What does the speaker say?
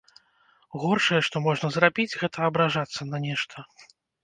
Горшае, што можна зрабіць, гэта абражацца на нешта.